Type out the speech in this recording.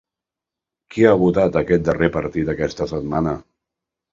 Què ha votat aquest darrer partit aquesta setmana?